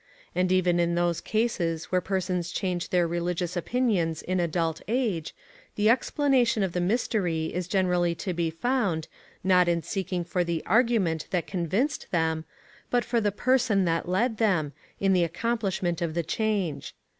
And even in those cases where persons change their religious opinions in adult age, the explanation of the mystery is generally to be found, not in seeking for the argument that convinced them, but for the person that led them, in the accomplishment of the change.